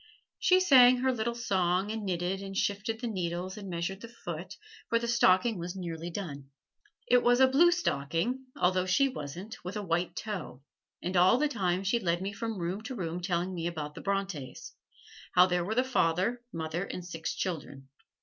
She sang her little song and knitted and shifted the needles and measured the foot, for the stocking was nearly done. It was a blue stocking (although she wasn't) with a white toe; and all the time she led me from room to room telling me about the Brontes how there were the father, mother and six children.